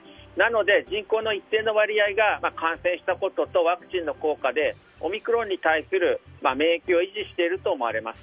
人口の一定の割合が感染したこととワクチンの効果でオミクロンに対する免疫を維持していると思われます。